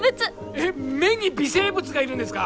えっ目に微生物がいるんですか？